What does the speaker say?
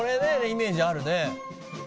イメージあるね」